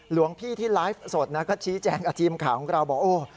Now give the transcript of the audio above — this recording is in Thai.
หลวงพี่ที่ไลฟ์สดนะก็ชี้แจงกับทีมข่าวของเราบอกโอ้